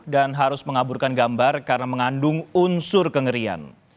dan harus mengaburkan gambar karena mengandung unsur kengerian